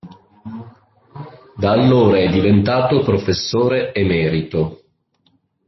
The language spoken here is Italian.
Da allora è diventato Professore Emerito.